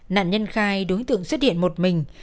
nạn nhân khai đối tượng xuất hiện một mình